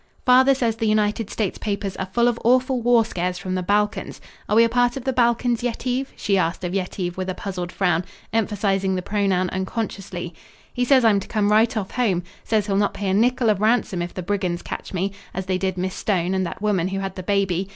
"Father says the United States papers are full of awful war scares from the Balkans. Are we a part of the Balkans, Yetive?" she asked of Yetive, with a puzzled frown, emphasizing the pronoun unconsciously. "He says I'm to come right off home. Says he'll not pay a nickel of ransom if the brigands catch me, as they did Miss Stone and that woman who had the baby.